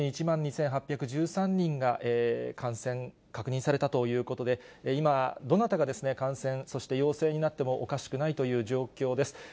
１日に１万２８１３人が感染確認されたということで、今、どなたが感染、そして陽性になってもおかしくないという状況です。